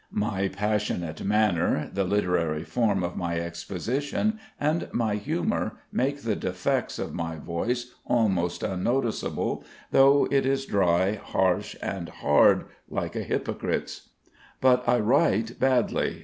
My passionate manner, the literary form of my exposition and my humour make the defects of my voice almost unnoticeable, though it is dry, harsh, and hard like a hypocrite's. But I write badly.